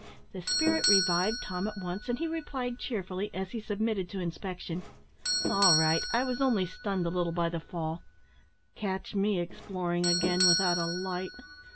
The spirit revived Tom at once, and he replied cheerfully, as he submitted to inspection, "All right, I was only stunned a little by the fall. Catch me exploring again without a light!"